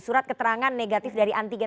surat keterangan negatif dari antigen